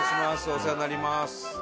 お世話になります。